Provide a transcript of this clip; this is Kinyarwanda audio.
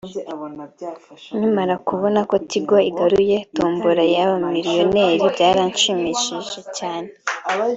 Nkimara kubona ko Tigo igaruye tombola ya ’Ba Miliyoneri’ byaranshimishije cyane